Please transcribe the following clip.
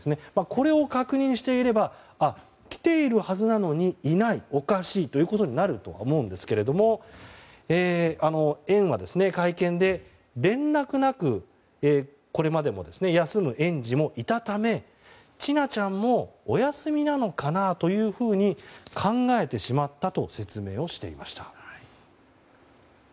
これを確認していればあ、来ているはずなのにいない、おかしいということになると思いますが園は会見で、これまでも連絡なく休む園児もいたため千奈ちゃんもお休みなのかなというふうに考えてしまったと説明していました。